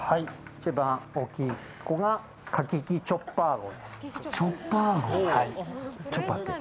一番大きい子が柿木チョッパー号。